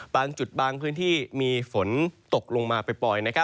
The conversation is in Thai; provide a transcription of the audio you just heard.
บางจุดบางพื้นที่มีฝนตกลงมาปล่อย